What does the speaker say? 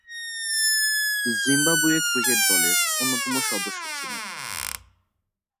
Zimbabwe cricket দলের অন্যতম সদস্য ছিলেন।